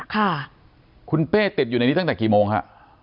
ค่ะคุณเป้ติดอยู่ในนี้ตั้งแต่กี่โมงฮะ